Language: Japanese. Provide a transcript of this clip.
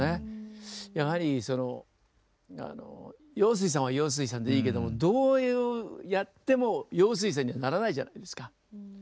やはりそのあの陽水さんは陽水さんでいいけどもどういうやっても陽水さんにはならないじゃないですか。